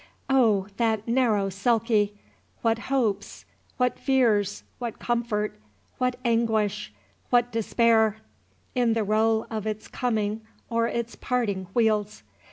Oh, that narrow sulky! What hopes, what fears, what comfort, what anguish, what despair, in the roll of its coming or its parting wheels!